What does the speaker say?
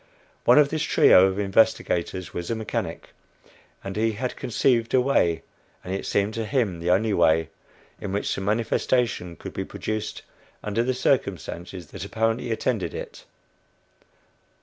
One of this trio of investigators was a mechanic, and he had conceived a way and it seemed to him the only way in which the "manifestation" could be produced under the circumstances that apparently attended it.